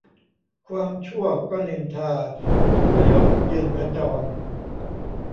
ความชั่วก็นินทา ทุรยศยืนขจร